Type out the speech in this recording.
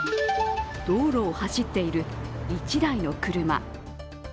道路を走っている１台の車。